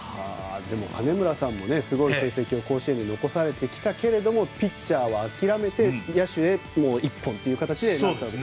でも金村さんもすごい成績を甲子園で残されてきたけどピッチャーは諦めて野手一本という形になった。